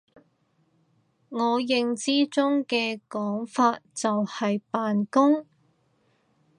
我認知中嘅講法就係扮工！